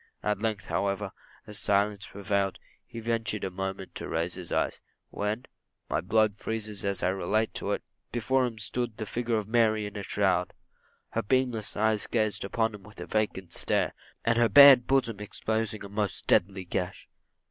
At length, however, as silence again prevailed, he ventured for a moment to raise his eyes, when my blood freezes as I relate it before him stood the figure of Mary in a shroud her beamless eyes fixed upon him with a vacant stare; and her bared bosom exposing a most deadly gash.